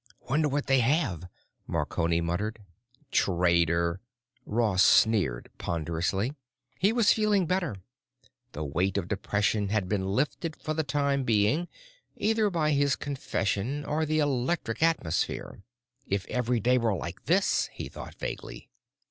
"Wonder what they have?" Marconi muttered. "Trader!" Ross sneered ponderously. He was feeling better; the weight of depression had been lifted for the time being, either by his confession or the electric atmosphere. If every day were like this, he thought vaguely....